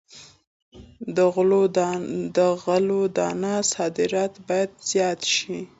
د غلو دانو صادرات باید زیات شي.